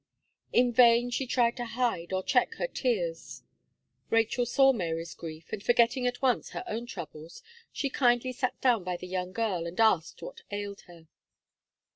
In vain she tried to hide or check her tears; Rachel saw Mary's grief, and forgetting at once her own troubles, she kindly sat down by the young girl, and asked what ailed her.